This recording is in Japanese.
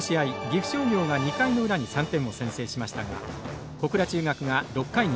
岐阜商業が２回の裏に３点を先制しましたが小倉中学が６回に逆転。